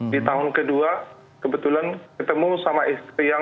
di tahun kedua kebetulan ketemu sama istri yang